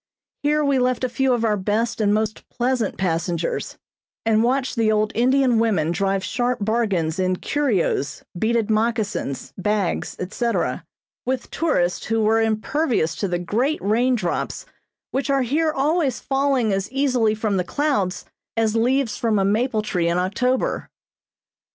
Here we left a few of our best and most pleasant passengers, and watched the old Indian women drive sharp bargains in curios, beaded moccasins, bags, etc., with tourists who were impervious to the great rain drops which are here always falling as easily from the clouds as leaves from a maple tree in October.